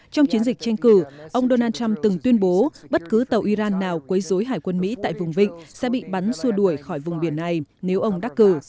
trong chiến dịch tranh cử ông donald trump từng tuyên bố bất cứ tàu iran nào quấy dối hải quân mỹ tại vùng vịnh sẽ bị bắn xua đuổi khỏi vùng biển này nếu ông đắc cử